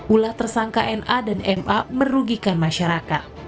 ulah tersangka na dan ma merugikan masyarakat